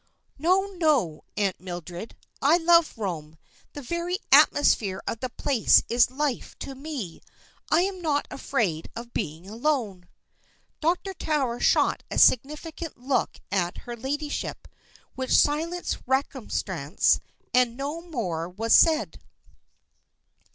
"No, no, Aunt Mildred, I love Rome. The very atmosphere of the place is life to me. I am not afraid of being alone." Dr. Tower shot a significant look at her ladyship, which silenced remonstrance, and no more was said.